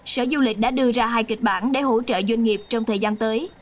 sở du lịch đã đưa ra hai kịch bản để hỗ trợ doanh nghiệp trong thời gian tới